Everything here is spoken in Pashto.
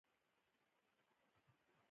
د اړتیاوو کمېدل بني ادم ته فرصت ورکوي.